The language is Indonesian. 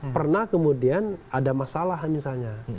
pernah kemudian ada masalah misalnya